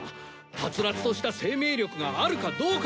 はつらつとした生命力があるかどうかだ！